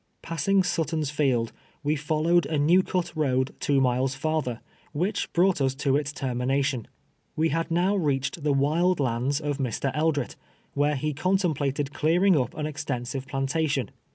Passing " Sutton's Field," we followed a new cut road two miles farther, which brought us to its ter mination. "We had now reached the wild lands of Mr. Eldret, where he contemplated clearing up an extensive plantation.